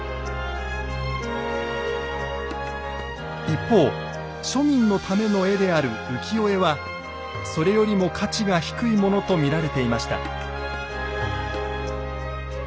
一方庶民のための絵である浮世絵はそれよりも価値が低いものと見られていました。